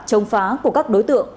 chống phá của các đối tượng